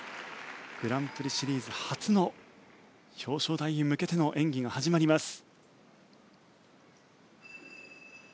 グランプリシリーズ初の表彰台に向けての演技が始まります。